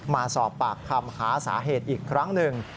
มาสอบปากคำหาสาเหตุอีกครั้งหนึ่ง